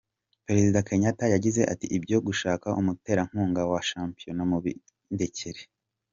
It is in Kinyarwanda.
Perezida Kenyatta yagize ati “ Ibyo gushaka umuterankunga wa shampiyona mubindekere.